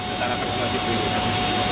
antara perisian itu